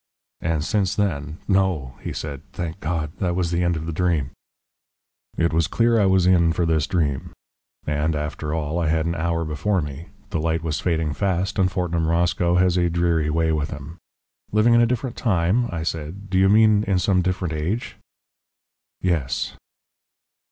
"And since then " "No," he said. "Thank God! That was the end of the dream...." It was clear I was in for this dream. And after all, I had an hour before me, the light was fading fast, and Fortnum Roscoe has a dreary way with him. "Living in a different time," I said: "do you mean in some different age?" "Yes."